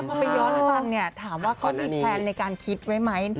ไปย้อนกันถามว่าเขามีแพลนในการคิดไว้ไหม